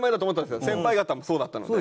先輩方もそうだったので。